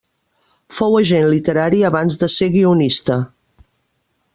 Fou agent literari abans de ser guionista.